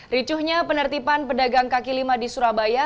ricuhnya penertiban pedagang kaki lima di surabaya